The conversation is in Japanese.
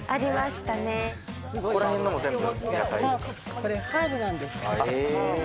これはハーブなんです。